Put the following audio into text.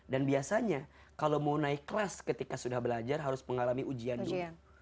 dan biasanya kalau mau naik kelas ketika sudah belajar harus mengalami ujian dulu